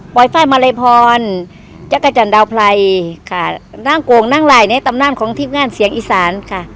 ไฟล์มาลัยพรจักรจันดาวไพรค่ะนั่งโก่งนั่งไหล่ในตำนานของทีมงานเสียงอีสานค่ะ